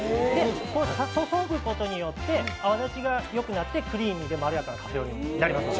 注ぐことによって泡立ちがよくなって、クリーミーでまろやかなカフェオレになりますから。